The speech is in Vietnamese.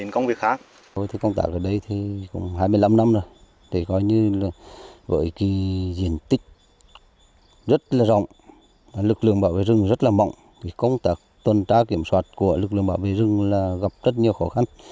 công tác tuần tra kiểm soát của lực lượng bảo vệ rừng gặp rất nhiều khó khăn